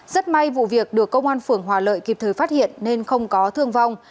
rất may vụ việc được công an phường hòa lợi kịp thời phát hiện nên không có thương vong